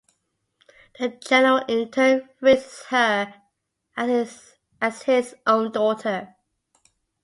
The General in turn raises her as his own daughter.